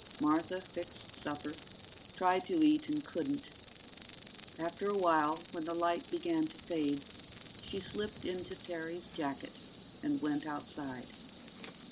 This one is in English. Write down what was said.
Martha fixed supper, tried to eat, and couldn't. After a while, when the light began to fade, she slipped into Terry's jacket and went outside.